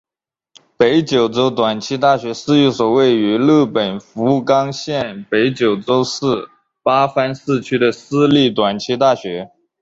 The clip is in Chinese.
北九州短期大学是一所位于日本福冈县北九州市八幡西区的私立短期大学。